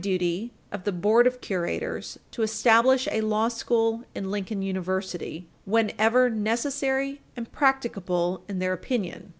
347 duty of the board of curators to establish a law school in Lincoln University "whenever necessary and practicable in their opinion."